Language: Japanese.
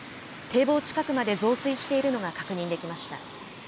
堤防近くまで増水しているのが確認できました。